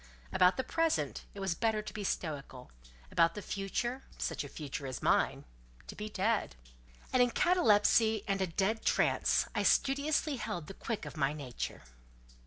About the present, it was better to be stoical; about the future—such a future as mine—to be dead. And in catalepsy and a dead trance, I studiously held the quick of my nature.